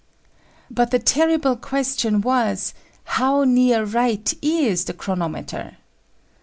But the terrible question was, how near right is the chronometer?